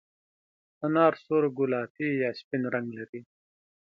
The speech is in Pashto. انار سور، ګلابي یا سپین رنګ لري.